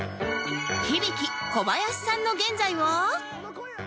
響小林さんの現在は？